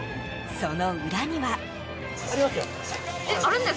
その裏には。